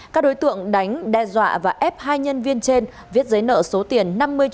các đối tượng đánh đe dọa và ép hai nhân viên trên viết giấy nợ số tiền năm mươi